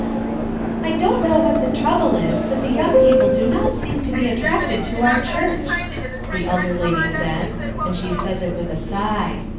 "I don't know what the trouble is, but the young people do not seem to be attracted to our church," the elder lady says, and she says it with a sigh.